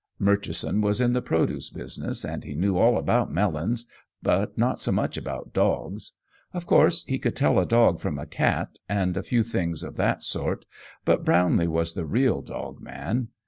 Murchison was in the produce business, and he knew all about melons, but not so much about dogs. Of course he could tell a dog from a cat, and a few things of that sort, but Brownlee was the real dog man.